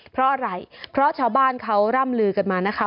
เพราะอะไรเพราะชาวบ้านเขาร่ำลือกันมานะคะ